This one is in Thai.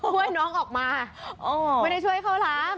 ช่วยน้องออกมาไม่ได้ช่วยเขารับ